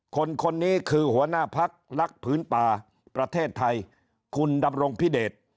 คนนี้คือหัวหน้าพักรักพื้นป่าประเทศไทยคุณดำรงพิเดช